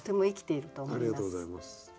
ありがとうございます。